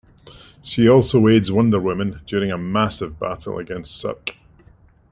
She also aids Wonder Woman during a massive battle against Circe.